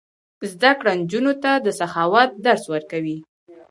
زده کړه نجونو ته د سخاوت درس ورکوي.